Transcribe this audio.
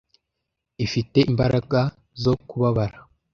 ifite imbaraga zo kubabara